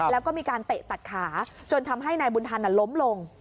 แล้วก็มีการเตะตัดขาจนทำให้นายบุญธันล้มลง